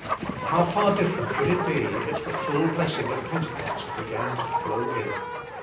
How far different would it be if the full blessing of Pentecost began to flow in.